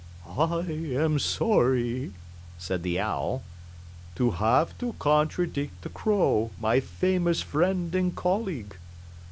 "I am sorry," said the Owl, "to have to contradict the Crow, my famous friend and colleague.